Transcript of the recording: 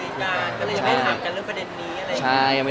แล้วถ่ายละครมันก็๘๙เดือนอะไรอย่างนี้